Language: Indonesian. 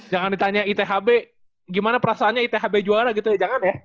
jangan ditanya ithb gimana perasaannya ithb juara gitu ya jangan ya